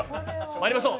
まいりましょう。